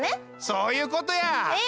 そういうことや。え